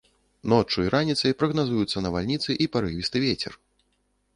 Ноччу і раніцай прагназуюцца навальніцы і парывісты вецер.